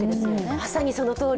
まさにそのとおり。